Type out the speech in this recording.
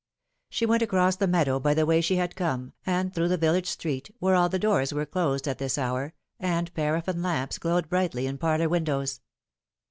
She went across the meadow by the way she had come, and through the village street, where all the doors were closed at this hour, and paraffin lamps glowed brightly in parlour windows.